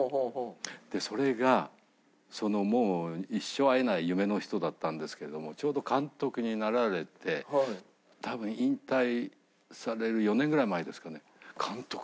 それがもう一生会えない夢の人だったんですけどもちょうど監督になられて多分引退される４年ぐらい前ですかね。